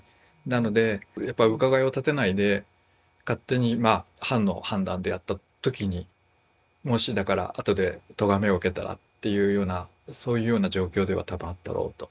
なのでやっぱり伺いを立てないで勝手に藩の判断でやった時にもしだからあとでとがめを受けたらっていうようなそういうような状況では多分あったろうと。